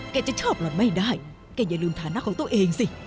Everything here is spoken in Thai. จะชอบหลอนไม่ได้แกอย่าลืมฐานะของตัวเองสิ